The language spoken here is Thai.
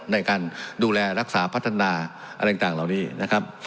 ในการดูแลรักษาพัฒนาอะไรต่างเหล่านี้นะครับ